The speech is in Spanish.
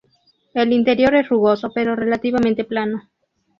El interior es rugoso pero relativamente plano.